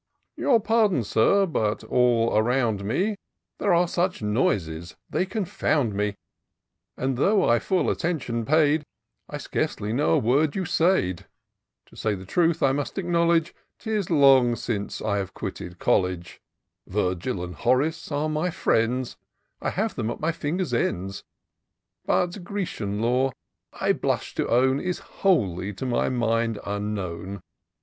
" Your pardon. Sir, but all around me There are such noises, they confound me ; And, though I frdl attention paid, I scarcely know a word you said. 308 TOUR OF DOCTOR SYNTAX To say the truth, I must acknowledge *Tis long since I have quitted coU^e : Viigil and Horace are mj Mends, I have them at mj finger's ends ; But Grecian lore, I blush to own. Is wholly to my mind unknown.